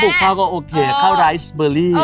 ปลูกข้าก็โอเคข้ารายสเบอรี่